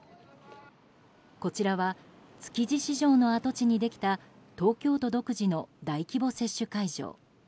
こちらは築地市場の跡地にできた東京都独自の大規模接種会場。